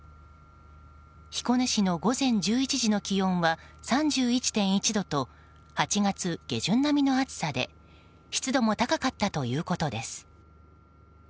彦根市の午前１１時の気温は３１．１度と８月下旬並みの暑さで湿度も高かったということです。